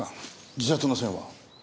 自殺の線は？